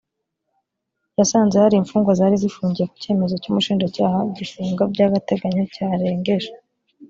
yasanze hari imfungwa zari zifungiye ku cyemezo cy umushinjacyaha gifunga bya agateganyo cyarengeje